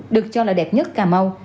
được cho là đẹp nhất cà mau